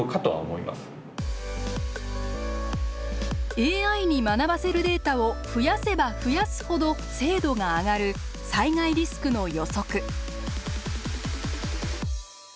ＡＩに学ばせるデータを増やせば増やすほど精度が上がる災害リスクの予測。